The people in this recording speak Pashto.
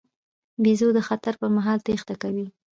بیزو د خطر پر مهال تېښته کوي.